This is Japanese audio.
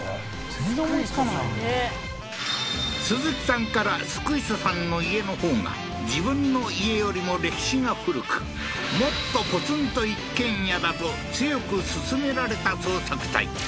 全然思いつかないな鈴木さんからスクイソさんの家の方が自分の家よりも歴史が古くもっとポツンと一軒家だと強く勧められた捜索隊